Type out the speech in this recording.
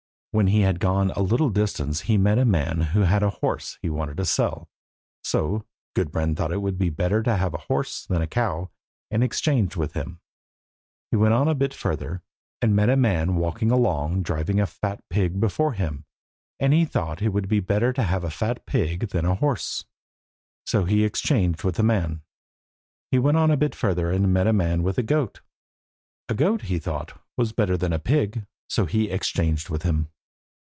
When he had gone a little distance he met a man who had a horse he wanted to sell. So Gudbrand thought it was better to have a horse than a cow, and exchanged with him. He went on a bit further, and met a man walking along driving a fat pig before him, and he thought it would be better to have a fat pig than a horse. So he exchanged with the man. He went on a bit further, and met a man with a goat. A goat, he thought, was better than a pig. So he exchanged with him.